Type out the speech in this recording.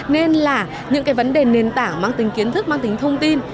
nên là những cái vấn đề nền tảng mang tính kiến thức mang tính thông tin